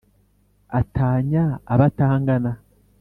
Atanya abatangana